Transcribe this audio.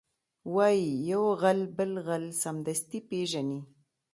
وایي یو غل بل غل سمدستي پېژني